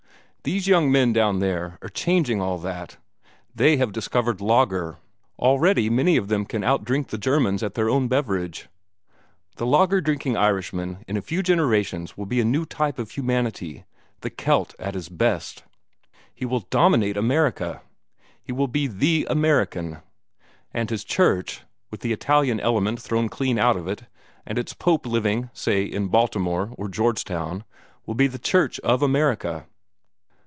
These young men down there are changing all that. They have discovered lager. Already many of them can outdrink the Germans at their own beverage. The lager drinking Irishman in a few generations will be a new type of humanity the Kelt at his best. He will dominate America. He will be THE American. And his church with the Italian element thrown clean out of it, and its Pope living, say, in Baltimore or Georgetown will be the Church of America."